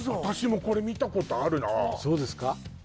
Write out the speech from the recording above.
私もこれ見たことあるなそうですか？